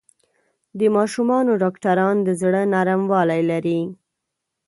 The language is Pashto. د ماشومانو ډاکټران د زړۀ نرموالی لري.